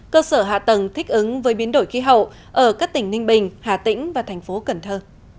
cơ sở hạ tầng thích ứng với biến đổi khí hậu ở các tỉnh ninh bình hà tĩnh và thành phố cần thơ